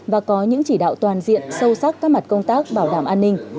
và có những chỉ đạo toàn diện sâu sắc các mặt công tác bảo đảm an ninh